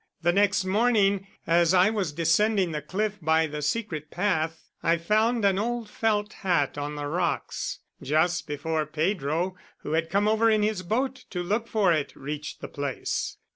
The next morning, as I was descending the cliff by the secret path, I found an old felt hat on the rocks just before Pedro, who had come over in his boat to look for it, reached the place.